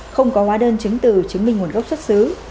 không có hóa đơn chứng từ chứng minh nguồn gốc xuất xứ